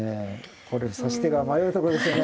これ指し手が迷うとこですよね。